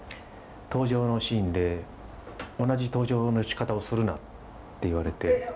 登場のシーンで「同じ登場のしかたをするな」って言われて。